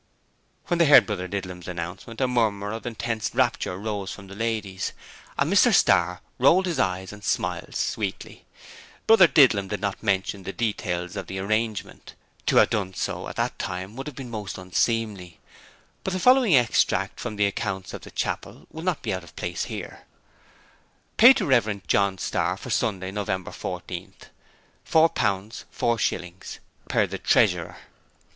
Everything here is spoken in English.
When they heard Brother Didlum's announcement a murmur of intense rapture rose from the ladies, and Mr Starr rolled his eyes and smiled sweetly. Brother Didlum did not mention the details of the 'arrangement', to have done so at that time would have been most unseemly, but the following extract from the accounts of the chapel will not be out of place here: 'Paid to Rev. John Starr for Sunday, Nov. 14 £4.4.0 per the treasurer.'